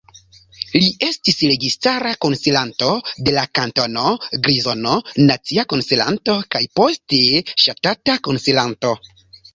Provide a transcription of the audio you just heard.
Li estis registara konsilanto de la Kantono Grizono, nacia konsilanto kaj poste ŝtata konsilanto.